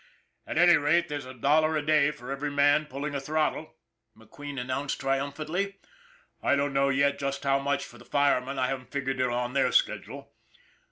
At any rate, there's a dollar a day for every man pulling a throttle," McQueen announced triumph antly. " I don't know yet just how much for the fire men, I haven't figured it on their schedule."